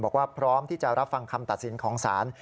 พร้อมที่จะรับฟังคำตัดสินของศาล